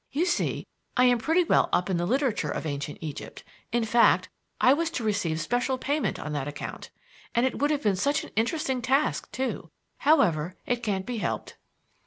You see, I am pretty well up in the literature of Ancient Egypt; in fact, I was to receive special payment on that account. And it would have been such an interesting task, too. However, it can't be helped."